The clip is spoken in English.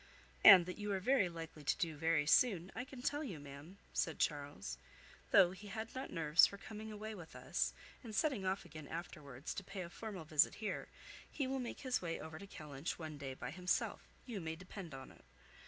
"And that you are very likely to do very soon, I can tell you, ma'am," said Charles. "Though he had not nerves for coming away with us, and setting off again afterwards to pay a formal visit here, he will make his way over to Kellynch one day by himself, you may depend on it.